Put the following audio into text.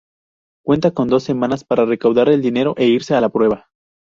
Cuentan con dos semanas para recaudar el dinero e irse a la prueba.